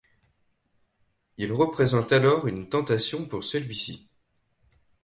Il représente alors une tentation pour celui-ci.